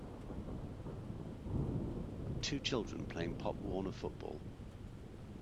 Two children playing pop warner football.